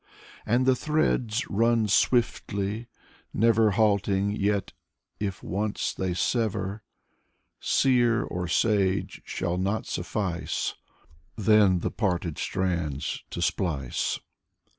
And the threads run swiftly, never Halting, yet if once they sever, Seer or sage shall not suffice Then the parted strands to splice.